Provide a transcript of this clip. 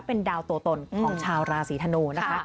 เป็นดาวตัวตนของชาวราศีธนูนะคะ